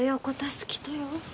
好きとよ